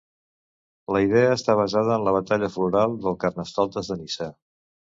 La idea està basada en la batalla floral del Carnestoltes de Niça.